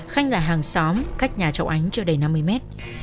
khanh là hàng xóm cách nhà cháu ánh chưa đầy năm mươi mét